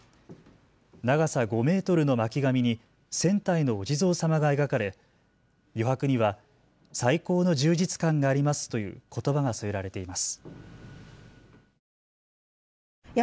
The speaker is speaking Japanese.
長さ５メートルの巻紙に１０００体のお地蔵様が描かれ余白には最高の充実感がありますということばが添えられています。